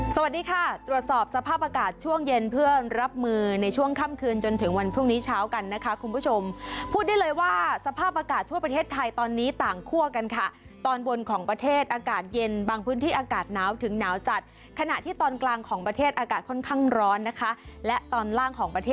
สวัสดีค่ะตรวจสอบสภาพอากาศช่วงเย็นเพื่อรับมือในช่วงค่ำคืนจนถึงวันพรุ่งนี้เช้ากันนะคะคุณผู้ชมพูดได้เลยว่าสภาพอากาศทั่วประเทศไทยตอนนี้ต่างคั่วกันค่ะตอนบนของประเทศอากาศเย็นบางพื้นที่อากาศหนาวถึงหนาวจัดขณะที่ตอนกลางของประเทศอากาศค่อนข้างร้อนนะคะและตอนล่างของประเทศ